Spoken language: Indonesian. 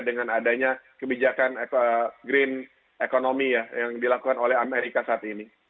dengan adanya kebijakan green economy ya yang dilakukan oleh amerika saat ini